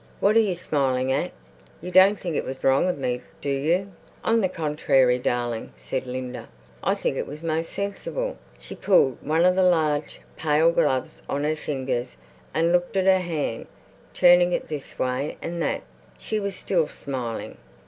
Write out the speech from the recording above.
What are you smiling at? You don't think it was wrong of me, do you?" "On the con trary, darling," said Linda, "I think it was most sensible." She pulled one of the large, pale gloves on her own fingers and looked at her hand, turning it this way and that. She was still smiling.